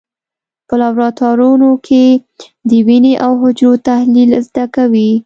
په لابراتوارونو کې د وینې او حجرو تحلیل زده کوي.